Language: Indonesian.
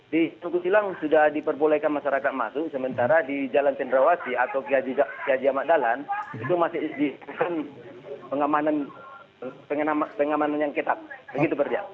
di jalan kutilang sudah diperbolehkan masyarakat masuk sementara di jalan cendrawasi atau kajiamadalan itu masih diperken pengamanan yang ketat